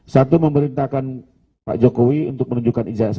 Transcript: satu memerintahkan pak jokowi untuk menunjukkan ijazah